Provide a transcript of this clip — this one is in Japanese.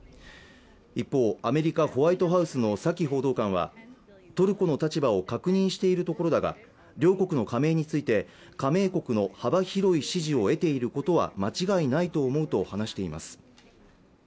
一方アメリカ・ホワイトハウスのサキ報道官はトルコの立場を確認しているところだが両国の加盟について加盟国の幅広い支持を得ていることは間違いないと思うと話しています